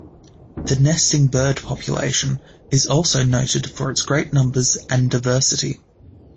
The nesting bird population is also noted for its great numbers and diversity.